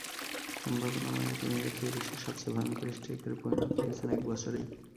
সম্ভাবনাময় এক উইঙ্গার থেকে বিশ্বের সবচেয়ে ভয়ংকর স্ট্রাইকারে পরিণত হয়েছেন এক বছরেই।